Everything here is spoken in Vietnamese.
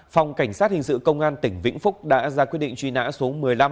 phong cảnh sát điều tra công an tỉnh yên bái đã ra quyết định truy nã tội phạm